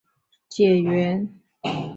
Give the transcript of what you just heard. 康熙五十六年丁酉科顺天乡试解元。